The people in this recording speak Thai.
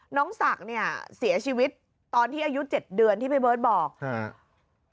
น้องศักดิ์เนี่ยเสียชีวิตตอนที่อายุเจ็ดเดือนที่พี่เบิร์ตบอกฮะ